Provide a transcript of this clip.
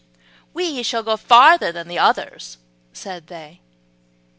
"We shall go farther than the others," said they.